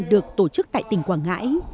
được tổ chức tại tỉnh quảng ngãi